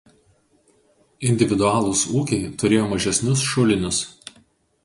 Individualūs ūkiai turėjo mažesnius šulinius.